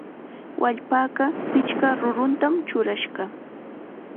Wallpaqa pichqa rurutam churashqa.